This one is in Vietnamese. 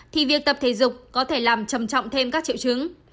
thì việc tập thể dục có thể làm trầm trọng thêm các triệu chứng